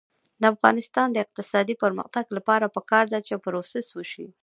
د افغانستان د اقتصادي پرمختګ لپاره پکار ده چې پروسس وشي.